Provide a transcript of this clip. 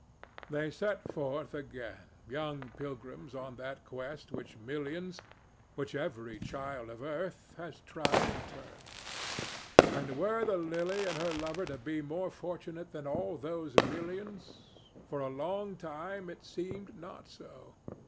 They set forth again, young pilgrims on that quest which millions—which every child of earth—has tried in turn. And were the Lily and her lover to be more fortunate than all those millions? For a long time it seemed not so.